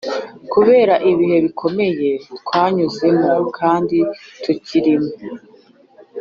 kubera ibihe bikomeye twanyuzemo kandi tukirimo